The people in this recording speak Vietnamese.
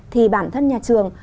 thì bản thân nhà trường